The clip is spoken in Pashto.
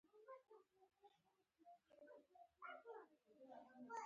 پر موږ دا اخیستنه هم تپل کېږي.